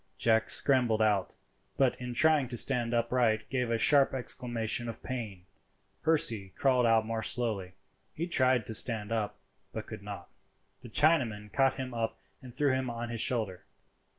Jack scrambled out, but in trying to stand upright gave a sharp exclamation of pain. Percy crawled out more slowly; he tried to stand up, but could not. The Chinaman caught him up and threw him on his shoulder.